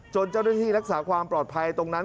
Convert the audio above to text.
เจ้าหน้าที่รักษาความปลอดภัยตรงนั้น